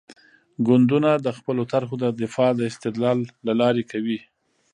ګوندونه د خپلو طرحو دفاع د استدلال له لارې کوي.